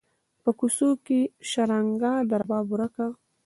په کوڅو کې یې شرنګا د رباب ورکه